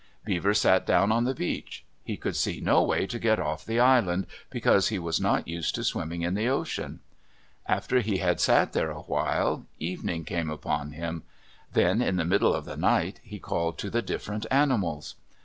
Beaver sat down on the beach. He could see no way to get off the island, because he was not used to swimming in the ocean. After he had sat there awhile, evening came upon him. Then, in the middle of the night, he called to the different animals.